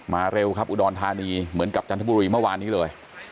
เร็วครับอุดรธานีเหมือนกับจันทบุรีเมื่อวานนี้เลย